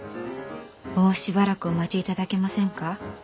もうしばらくお待ちいただけませんか？